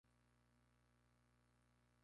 Habita en la India y Sri Lanka.